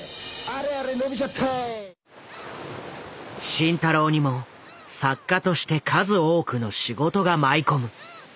慎太郎にも作家として数多くの仕事が舞い込む。